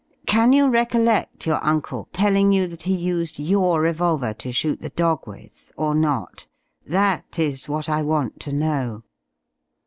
Can you recollect your uncle telling you that he used your revolver to shoot the dog with, or not? That is what I want to know."